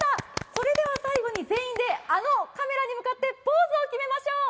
それでは最後に全員であのカメラに向かってポーズを決めましょう。